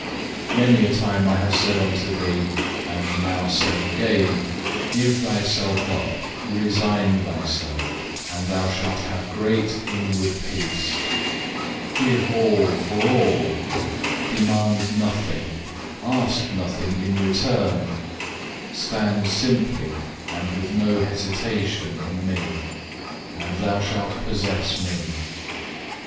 5. "Many a time I have said unto thee, and now say again, Give thyself up, resign thyself, and thou shalt have great inward peace. Give all for all; demand nothing, ask nothing in return; stand simply and with no hesitation in Me, and thou shalt possess Me.